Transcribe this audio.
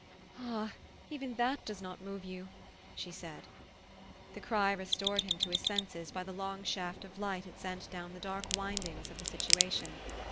"Ah, even that does not move you!" she said. The cry restored him to his senses by the long shaft of light it sent down the dark windings of the situation.